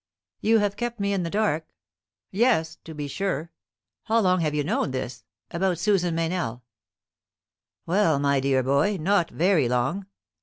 "You have kept me in the dark? Yes; to be sure. How long have you known this about Susan Meynell?" "Well, my dear boy, not very long."